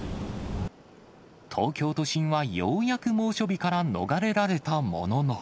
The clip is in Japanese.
東京都心はようやく猛暑日から逃れられたものの。